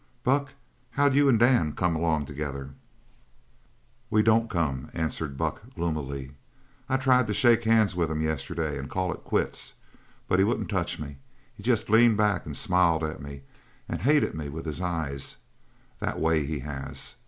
Buck, how'd you and Dan come along together?" "We don't come," answered Buck gloomily. "I tried to shake hands with him yesterday and call it quits. But he wouldn't touch me. He jest leaned back and smiled at me and hated me with his eyes, that way he has.